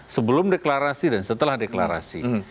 sebelum deklarasi dan setelah deklarasi